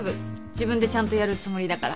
自分でちゃんとやるつもりだから。